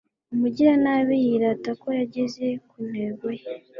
umugiranabi yirata ko yageze ku ntego ye